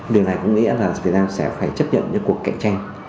điều này có nghĩa là việt nam sẽ phải chấp nhận những cuộc cạnh tranh